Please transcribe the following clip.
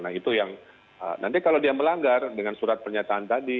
nah itu yang nanti kalau dia melanggar dengan surat pernyataan tadi